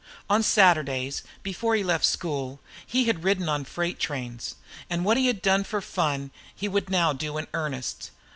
On Saturdays, before he left school, he had ridden on freight trains; and what he had done for fun he would now do in earnest.